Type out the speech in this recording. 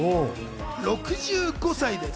６５歳です。